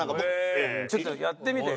ちょっとやってみて。